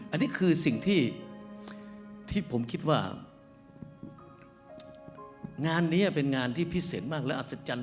อันนี้คือสิ่งที่ผมคิดว่างานนี้เป็นงานที่พิเศษมากและอัศจรรย